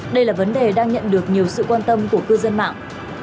đây là vấn đề đang nhận được nhiều sự quan tâm của cư dân mạng